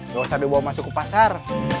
nggak usah dibawa masuk ke pasar